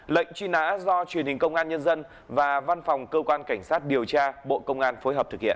lệnh truy nã do truyền hình công an nhân dân và văn phòng cơ quan cảnh sát điều tra bộ công an phối hợp thực hiện